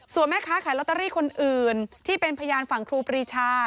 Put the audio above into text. ส่วนแม่ค้าขายลอตเตอรี่คนอื่นที่เป็นพยานฝั่งครูปรีชา